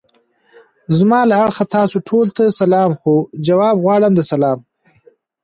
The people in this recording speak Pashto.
زما له اړخه تاسو ټولو ته سلام خو! جواب غواړم د سلام.